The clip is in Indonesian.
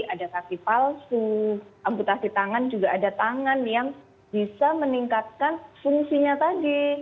ada kaki palsu amputasi tangan juga ada tangan yang bisa meningkatkan fungsinya tadi